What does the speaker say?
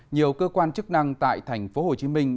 nhiều cơ quan chức năng tại thành phố hồ chí minh